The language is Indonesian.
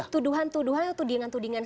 tuduhan tuduhan atau tudingan tudingan